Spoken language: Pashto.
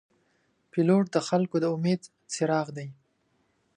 پیلوټ د خلګو د امید څراغ دی.